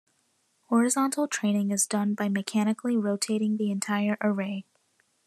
Horizontal training is done by mechanically rotating the entire array.